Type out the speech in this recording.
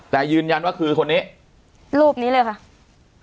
แต่ยืนยันว่าคือคนนี้รูปนี้เลยค่ะ